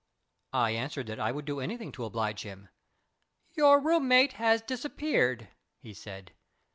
I answered that I would do anything to oblige him. "Your room mate has disappeared," he said.